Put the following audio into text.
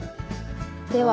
では。